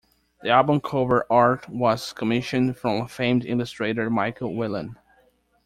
The album cover art was commissioned from famed illustrator Michael Whelan.